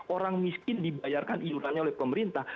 orang miskin dibayarkan iurannya oleh pemerintah